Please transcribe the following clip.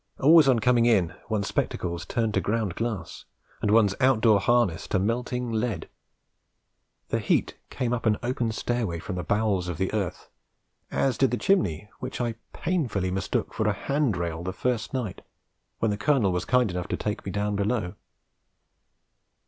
Always on coming in one's spectacles turned to ground glass and one's out door harness to melting lead. The heat came up an open stairway from the bowels of the earth, as did the chimney which I painfully mistook for a hand rail the first night, when the Colonel was kind enough to take me down below.